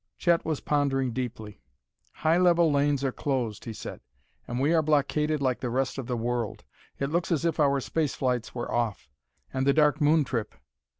Chet was pondering deeply. "High level lanes are closed," he said, "and we are blockaded like the rest of the world. It looks as if our space flights were off. And the Dark Moon trip!